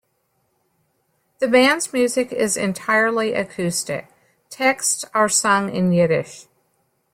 The band's music is entirely acoustic; texts are sung in Yiddish.